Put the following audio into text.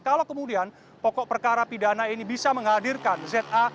kalau kemudian pokok perkara pidana ini bisa menghadirkan za